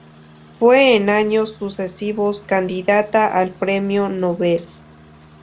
Fue en años sucesivos candidata al Premio Nobel.